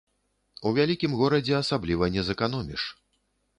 У вялікім горадзе асабліва не зэканоміш.